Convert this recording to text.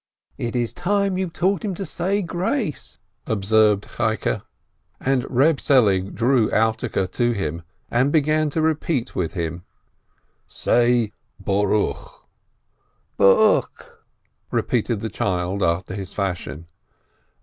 "It is time you taught him to say grace," observed Cheike. And Eeb Selig drew Alterke to him and began to repeat with him. "Say:Boruch." "Bo'uch," repeated the child after his fashion.